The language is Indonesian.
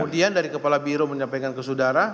kemudian dari kepala biro menyampaikan ke saudara